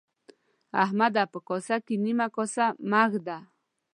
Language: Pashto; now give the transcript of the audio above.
احمده! په کاسه کې نيمه کاسه مه اېږده.